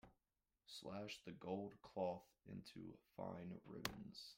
Slash the gold cloth into fine ribbons.